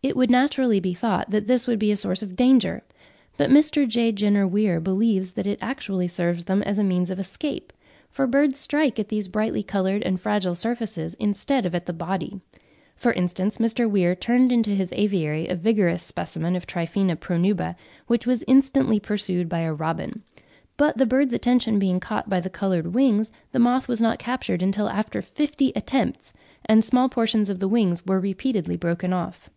It would naturally be thought that this would be a source of danger; but Mr. J. Jenner Weir believes that it actually serves them as a means of escape, for birds strike at these brightly coloured and fragile surfaces, instead of at the body. For instance, Mr. Weir turned into his aviary a vigorous specimen of Triphaena pronuba, which was instantly pursued by a robin; but the bird's attention being caught by the coloured wings, the moth was not captured until after about fifty attempts, and small portions of the wings were repeatedly broken off.